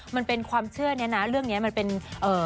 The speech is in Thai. มันเป็นความเชื่อเนี่ยนะเรื่องนี้มันเป็นเอ่อ